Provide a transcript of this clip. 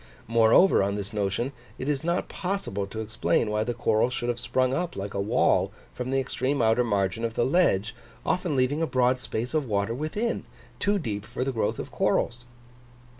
Moreover, on this notion, it is not possible to explain why the corals should have sprung up, like a wall, from the extreme outer margin of the ledge, often leaving a broad space of water within, too deep for the growth of corals.